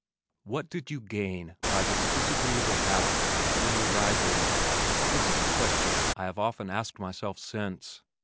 "What did you gain by this disagreeable habit of early rising?" This is a question I have often asked myself since.